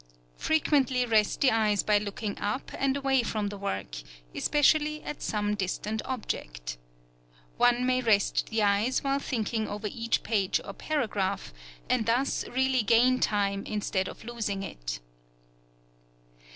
Frequently rest the eyes by looking up and away from the work, especially at some distant object. One may rest the eyes while thinking over each page or paragraph, and thus really gain time instead of losing it.